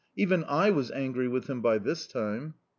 Even I was angry with him by this time!